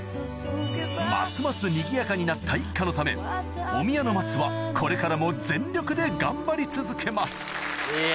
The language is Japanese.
ますますにぎやかになった一家のためお宮の松はこれからも全力で頑張り続けますいや。